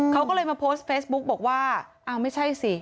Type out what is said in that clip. เขาก็เลยมาโพสต์เฟซบุ๊กบอกว่าอ้าวไม่ใช่สิ